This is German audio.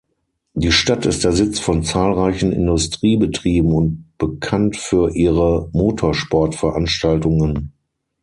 Die Stadt ist der Sitz von zahlreichen Industriebetrieben und bekannt für ihre Motorsportveranstaltungen.